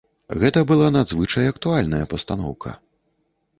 Гэта была надзвычай актуальная пастаноўка.